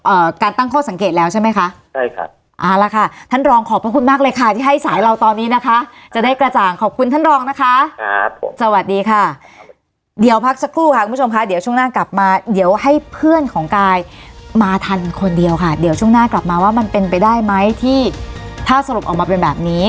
การตั้งข้อสังเกตแล้วใช่ไหมคะใช่ครับเอาละค่ะท่านรองขอบพระคุณมากเลยค่ะที่ให้สายเราตอนนี้นะคะจะได้กระจ่างขอบคุณท่านรองนะคะครับผมสวัสดีค่ะเดี๋ยวพักสักครู่ค่ะคุณผู้ชมค่ะเดี๋ยวช่วงหน้ากลับมาเดี๋ยวให้เพื่อนของกายมาทันคนเดียวค่ะเดี๋ยวช่วงหน้ากลับมาว่ามันเป็นไปได้ไหมที่ถ้าสรุปออกมาเป็นแบบนี้